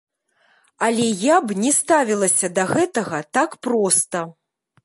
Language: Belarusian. Але я б не ставілася да гэтага так проста.